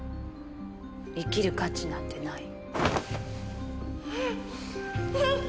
生きる価値なんてない。